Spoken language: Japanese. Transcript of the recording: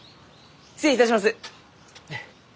失礼いたします。